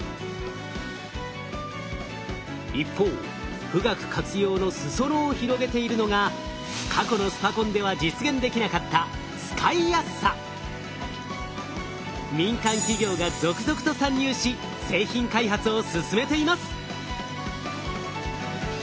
一方富岳活用の裾野を広げているのが過去のスパコンでは実現できなかった民間企業が続々と参入し製品開発を進めています。